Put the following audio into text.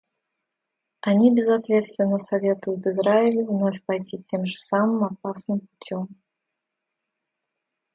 Они безответственно советуют Израилю вновь пойти тем же самым опасным путем.